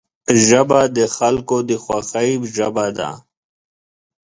ژبه د خلکو د خوښۍ ژبه ده